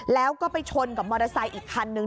แล้วก็ไปชนกับมอเตอร์ไซค์อีกคันนึง